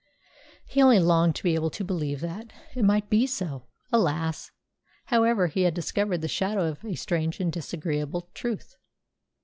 He only longed to be able to believe that it might be so. Alas! however, he had discovered the shadow of a strange and disagreeable truth.